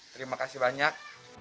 terima kasih banyak